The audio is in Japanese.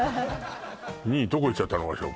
２どこいっちゃったのかしら